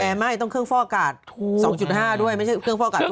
แต่ไม่ต้องเครื่องฟ่ออากาศ๒๕ด้วยไม่ใช่เครื่องฟอกอากาศ